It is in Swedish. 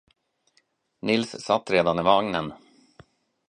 Nils satt redan i vagnen.